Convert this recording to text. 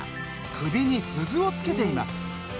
首に鈴をつけています。